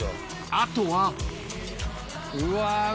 あとはうわ！